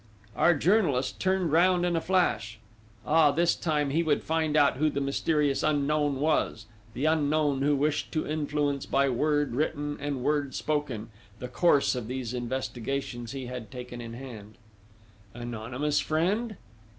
Our journalist turned round in a flash. Ah, this time he would find out who the mysterious unknown was the unknown, who wished to influence by word written and word spoken, the course of these investigations he had taken in hand: Anonymous friend?